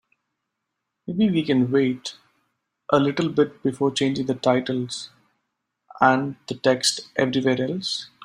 Maybe we can wait a little bit before changing the titles and the text everywhere else?